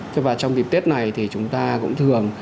thế và trong dịp tết này thì chúng ta cũng thường